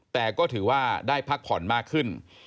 แต่ก็ถือว่าได้พักผ่อนมากขึ้น